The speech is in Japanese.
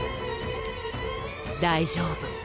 大丈夫。